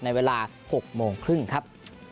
ในเวลา๖โมงครึ่งครับ